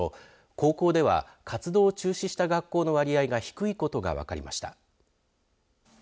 高校では活動を中止した学校の割合が低いことが分かりました。